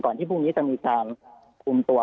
ก่อนที่พรุ่งนี้จะมีการกลุ่มตัว